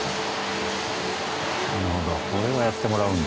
なるほどこれはやってもらうんだ。